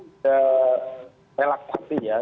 sudah relaksasi ya